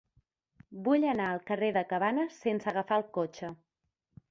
Vull anar al carrer de Cabanes sense agafar el cotxe.